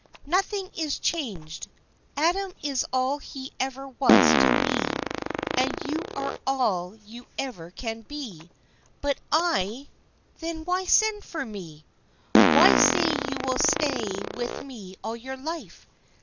"Nothing is changed. Adam is all he ever was to me, you are all you ever can be; but I " "Then why send for me? Why say you will stay with me all your life?